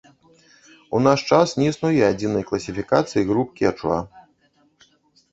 У наш час не існуе адзінай класіфікацыі груп кечуа.